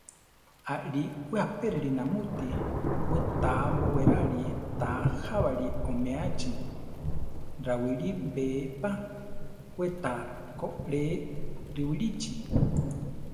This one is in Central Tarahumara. Aʼlí we apélire namúti; we ta bowérali ta jábali oméachi; rawilí be pa, we ta koʼree Riwilíchi.